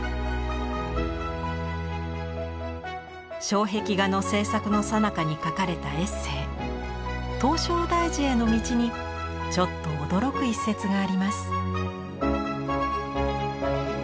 障壁画の制作の最中に書かれたエッセー「唐招提寺への道」にちょっと驚く一節があります。